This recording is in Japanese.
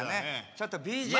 ちょっとＢＧＭ。